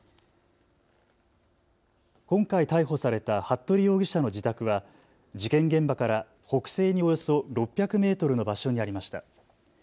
今回、逮捕された服部容疑者の自宅は事件現場から北西におよそ６００メートルの場所にありました。